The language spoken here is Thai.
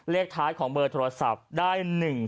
เลขท้ายของเบอร์โทรศัพท์ได้๑๔